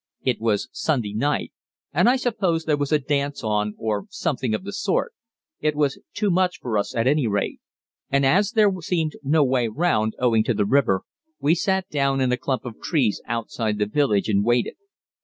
It was Sunday night, and I suppose there was a dance on or something of the sort it was too much for us at any rate, and as there seemed no way round owing to the river, we sat down in a clump of trees outside the village and waited.